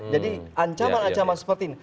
jadi ancaman ancaman seperti ini